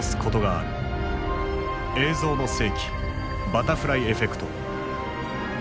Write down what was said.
「映像の世紀バタフライエフェクト」。